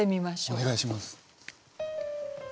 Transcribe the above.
お願いします。